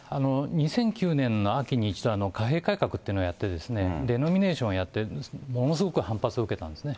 ２００９年の秋に一度、貨幣改革というのをやって、デノミネーションをやって、ものすごく反発を受けたんですね。